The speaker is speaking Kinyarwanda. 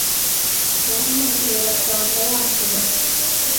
bahamagaye basanga yasohotse